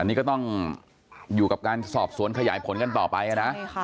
อันนี้ก็ต้องอยู่กับการสอบสวนขยายผลกันต่อไปนะ